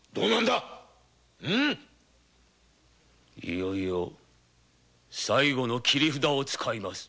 いよいよ最後の切り札を使います